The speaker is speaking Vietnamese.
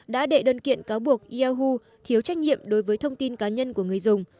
đã đệ đơn kiện cáo buộc yahu thiếu trách nhiệm đối với thông tin cá nhân của người dùng